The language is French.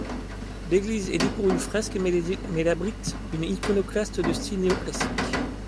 L'église est dépourvue de fresques mais elle abrite une iconostase de style néo-classique.